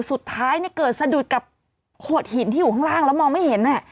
สุดท้ายเกิดสะดุดกับโขดหินที่อยู่ข้างล่างแล้วมองไม่เห็น